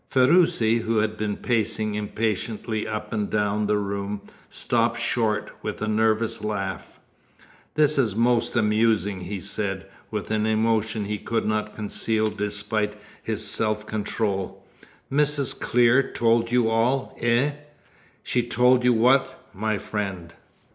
Ferruci, who had been pacing impatiently up and down the room, stopped short, with a nervous laugh. "This is most amusing," he said, with an emotion he could not conceal despite his self control. "Mrs. Clear told you all, eh? She told you what, my friend?"